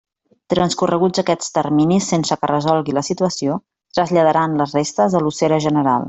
Transcorreguts aquests terminis sense que resolgui la situació, traslladaran les restes a l'ossera general.